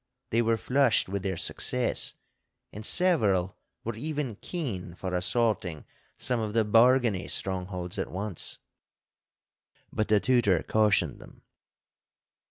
They were flushed with their success, and several were even keen for assaulting some of the Bargany strongholds at once. But the Tutor cautioned them.